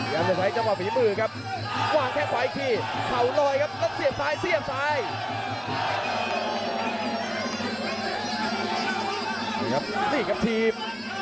อยู่ครับนี่ครับทีม